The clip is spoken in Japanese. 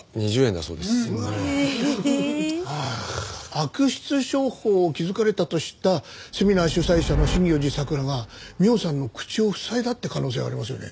悪質商法を気づかれたと知ったセミナー主催者の真行寺桜が美緒さんの口を塞いだって可能性ありますよね。